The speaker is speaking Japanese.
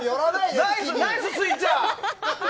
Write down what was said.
ナイススイッチャー！